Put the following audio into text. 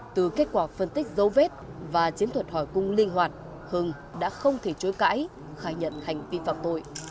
từ kết quả phân tích dấu vết và chiến thuật hỏi cung linh hoạt hưng đã không thể chối cãi khai nhận hành vi phạm tội